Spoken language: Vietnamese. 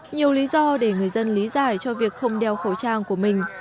nhiều lý do để người dân lý giải cho việc không đeo khẩu trang của mình